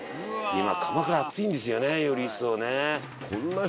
今鎌倉熱いんですよねより一層ね。